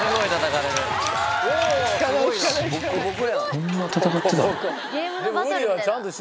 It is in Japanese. こんな戦ってたの？